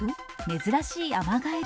珍しいアマガエル。